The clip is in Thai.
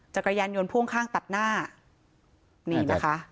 จักรยานยนต์พ่วงข้างตัดหน้านี่นะคะ